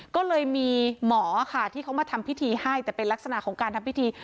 ก็เลยมีหมอค่ะที่เขามาทำพิธีให้แต่เป็นลักษณะของการทำพิธี